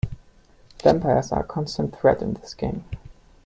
Vampires are a constant threat in this game.